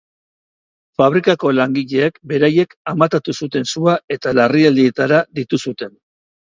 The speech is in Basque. Fabrikako langileek beraiek amatatu zuten sua eta larrialdietara dietu zuten.